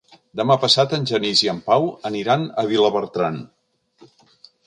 Demà passat en Genís i en Pau aniran a Vilabertran.